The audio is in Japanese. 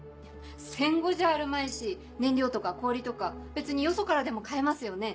戦後じゃあるまいし燃料とか氷とか別によそからでも買えますよね。